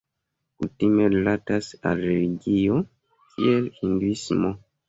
Kutime rilatas al religio, kiel Hinduismo.